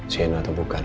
siena atau bukan